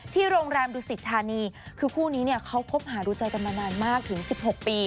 โรงแรมดุสิทธานีคือคู่นี้เนี่ยเขาคบหาดูใจกันมานานมากถึง๑๖ปี